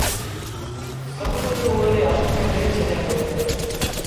سڀ ڪجھ اُئي ري هٿ ميݩ ڏي ڇڏيآندي اهي۔